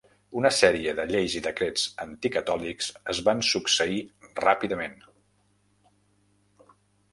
Una sèrie de lleis i decrets anticatòlics es van succeir ràpidament.